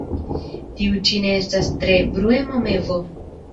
Tiu ĉi ne estas tre bruema mevo.